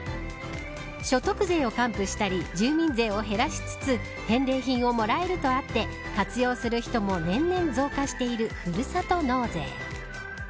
所得税を還付したり住民税を減らしつつ返礼品をもらえるとあって活用する人も年々、増加している、ふるさと納税。